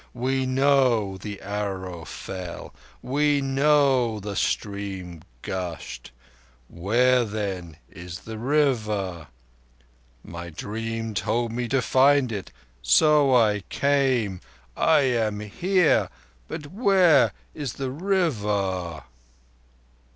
We know the arrow fell! We know the stream gushed! Where, then, is the River? My dream told me to find it. So I came. I am here. But where is the River?"